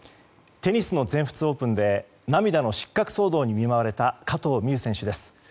テニスの全仏オープンで涙の失格騒動に見舞われた加藤未唯選手です。